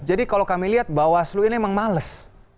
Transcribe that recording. jadi kalau kami lihat bawaslu ini memang males